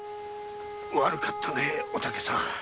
悪かったねお竹さん。